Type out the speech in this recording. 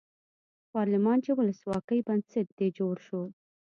پارلمان چې د ولسواکۍ بنسټ دی جوړ شو.